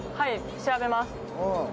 調べます。